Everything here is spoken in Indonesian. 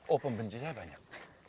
oh pembenci saya banyak